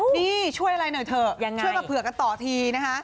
นี่ช่วยอะไรหน่อยเถอะช่วยมาเผื่อกันต่อทีนะคะ